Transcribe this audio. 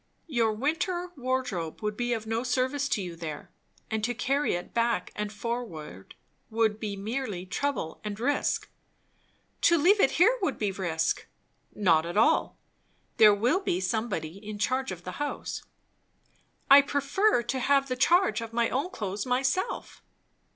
Your winter wardrobe would be of no service to you there, and to carry it back and forward would be merely trouble and risk." "To leave it here would be risk." "Not at all. There will be somebody in charge of the house." "I prefer to have the charge of my own clothes myself."